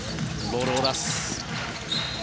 ボールを出す。